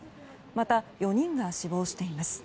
また、４人が死亡しています。